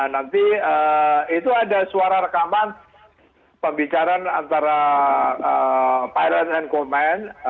nanti itu ada suara rekaman pembicaraan antara pilot and command